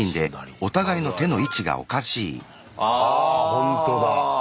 ほんとだ。